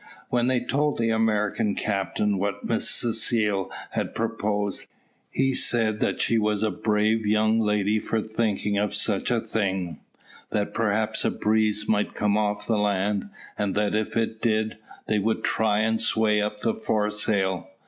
When they told the American captain what Miss Cecile had proposed, he said that she was a brave young lady for thinking of such a thing; that perhaps a breeze might come off the land, and that if it did, they would try and sway up the foresail.